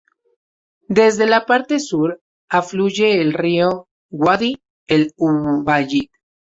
Desde la parte sur, afluye el río Wadi el-Ubayid.